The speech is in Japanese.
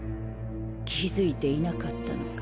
気づいていなかったのか。